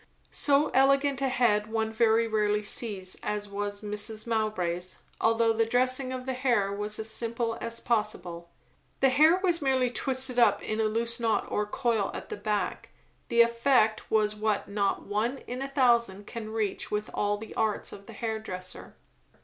So elegant a head one very rarely sees, as was Mrs. Mowbray's, although the dressing of the hair was as simple as possible. The hair was merely twisted up in a loose knot or coil at the back; the effect was what not one in a thousand can reach with all the arts of the hair dresser.